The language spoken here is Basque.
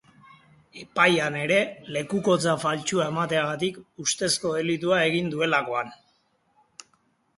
Epaian ere, lelukotza faltsua emateagatik ustezko delitua egin duelakoan.